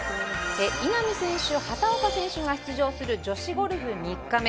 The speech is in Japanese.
稲見選手、畑岡選手が出場する女子ゴルフ３日目。